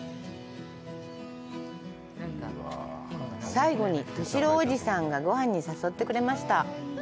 最後に、利郎おじさんがごはんに誘ってくれました。